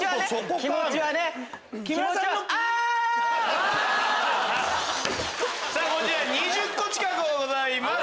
こちら２０個近くございます。